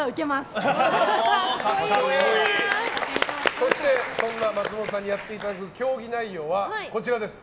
そしてそんな松本さんにやっていただく競技内容はこちらです。